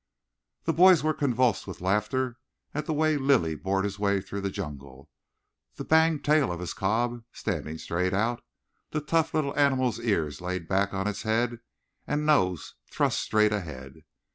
The boys were convulsed with laughter at the way Lilly bored his way through the jungle, the banged tail of his cob standing straight out, the tough little animal's ears laid back on its head, and nose thrust straight ahead.